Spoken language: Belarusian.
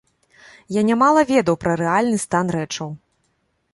Я нямала ведаў пра рэальны стан рэчаў.